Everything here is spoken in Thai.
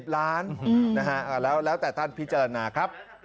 ๑๐ล้านนะฮะแล้วแต่ท่านพี่เจิญนะครับ